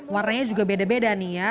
warnanya juga beda beda nih ya